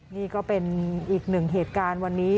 นี่ก็เป็นอีกหนึ่งเหตุการณ์วันนี้